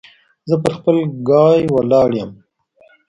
زه پر خپل ګای ولاړ يم.